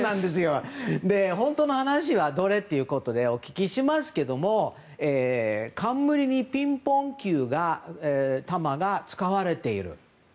本当の話はどれ？ということでお聞きしますけども冠にピンポン球が使われている。